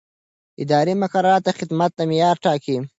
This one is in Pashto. اداري مقررات د خدمت د معیار ټاکي.